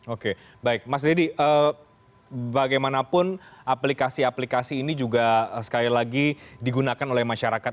oke baik mas deddy bagaimanapun aplikasi aplikasi ini juga sekali lagi digunakan oleh masyarakat